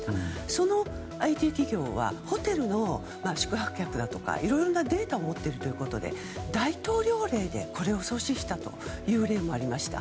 そのＩＴ企業はホテルの宿泊客だとかいろいろなデータを持っているということで大統領令でこれを阻止したという例もありました。